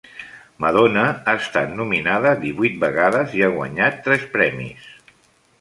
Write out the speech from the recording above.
Madonna ha estat nominada divuit vegades i ha guanyat tres premis.